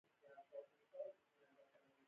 آیا دا عواید خزانې ته ځي؟